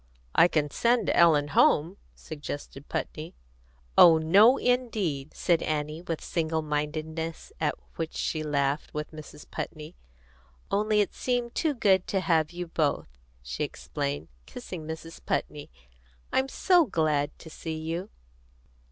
"I can send Ellen home," suggested Putney. "Oh no, indeed!" said Annie, with single mindedness at which she laughed with Mrs. Putney. "Only it seemed too good to have you both," she explained, kissing Mrs. Putney. "I'm so glad to see you!"